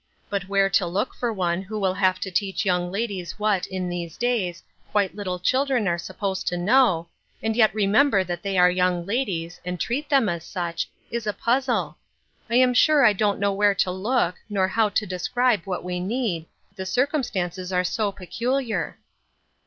But where to look for one who will have to teach young ladies what, in these days, quite little children are supposed to know, and yet remember that they are young ladies, and treat them as such, is a puzzle. I am sure 1 don't know where to look, nor how to describe what we need, the circumstances are so pecu Har."